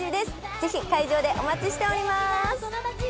ぜひ会場でお待ちしております。